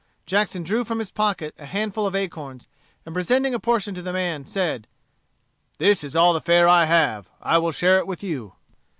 Jackson drew from his pocket a handful of acorns, and presenting a portion to the man, said: "This is all the fare I have. I will share it with you."